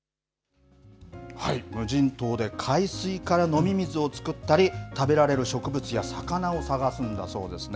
無人島で海水から飲み水を作ったり、食べられる植物や魚を探すんだそうですね。